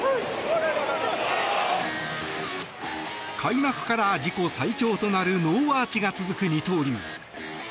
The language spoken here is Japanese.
開幕から自己最長となるノーアーチが続く二刀流。